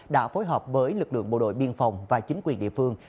đã phối hợp với lực lượng bộ đội biên phòng và chính quyền địa phương